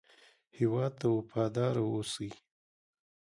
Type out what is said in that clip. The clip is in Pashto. هېواد ته وفاداره اوسئ